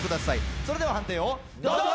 それでは判定をどうぞ。